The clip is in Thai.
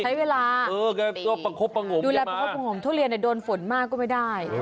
ใช้เวลาดูแลประคบประหงมทุเรียนโดนฝนมากก็ไม่ได้